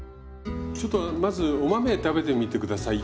ちょっとまずお豆食べてみて下さい。